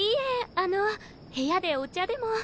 あの部屋でお茶でも。